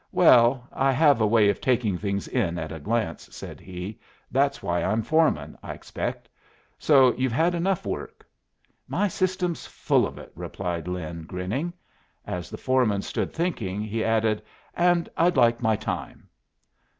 "Well, I have a way of taking things in at a glance," said he. "That's why I'm foreman, I expect. So you've had enough work?" "My system's full of it," replied Lin, grinning. As the foreman stood thinking, he added, "And I'd like my time."